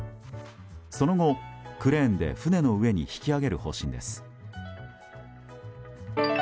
その後、クレーンで船の上に引き揚げる方針です。